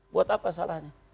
buat apa salahnya